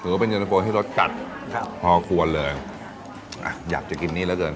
ว่าเป็นเย็นตะโฟที่รสจัดครับพอควรเลยอ่ะอยากจะกินนี่แล้วเกิน